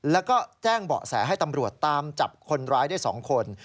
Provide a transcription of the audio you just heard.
แล้วก็แจ้งเบาะแสให้ตำรวจตามจับคนร้ายได้๒คน